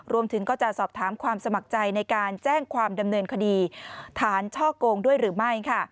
รวมถึงก็จะสอบถามความสมัครใจในการแจ้งความดำเนินคดีฐานช่อกงด้วยหรือไม่